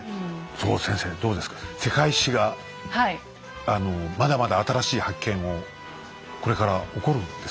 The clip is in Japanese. そこ先生どうですか世界史がまだまだ新しい発見をこれから起こるんですかね。